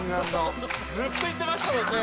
ずっと言ってましたもんね。